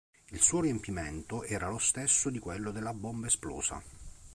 Il suo riempimento era lo stesso di quello della bomba esplosa.